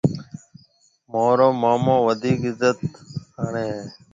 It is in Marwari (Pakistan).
مهارو مومو وڌيڪ عِزت آݪو هيَ۔